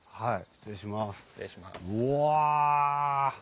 失礼しますうわ！